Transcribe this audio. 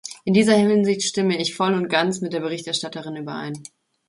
In dieser Hinsicht stimme ich voll und ganz mit der Berichterstatterin überein.